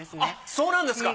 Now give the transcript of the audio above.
そうなんですか。